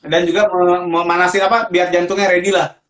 dan juga memanasin apa biar jantungnya ready lah